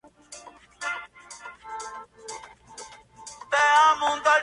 Se llamaban Nino y Pía.